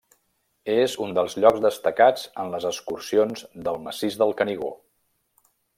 És un dels llocs destacats en les excursions pel massís del Canigó.